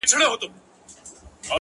• کله وعده کله انکار کله پلمه لګېږې ,